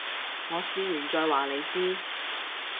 我試完再話你知